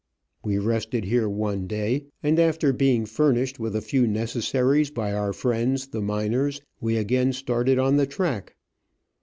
We rested here one day, and, after being furnished with a few necessaries by our friends the miners, we again started on the track.